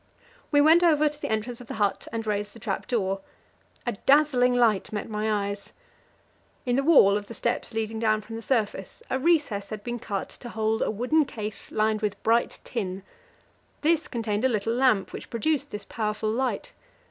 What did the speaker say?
We went over to the entrance of the hut and raised the trap door; a dazzling light met my eyes. In the wall of the steps leading down from the surface a recess had been cut to hold a wooden case lined with bright tin; this contained a little lamp which produced this powerful light.